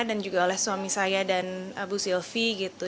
dan juga oleh suami saya dan abu silvi gitu